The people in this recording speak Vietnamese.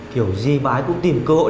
kiểu gì bà ấy cũng tìm cơ hội